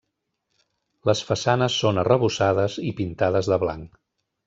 Les façanes són arrebossades i pintades de blanc.